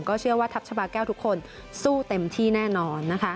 เชื่อว่าทัพชาบาแก้วทุกคนสู้เต็มที่แน่นอนนะคะ